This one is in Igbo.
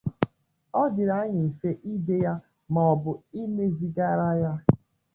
ọ dịrị anyị mfe ide ya maọbụ imezigharị ya.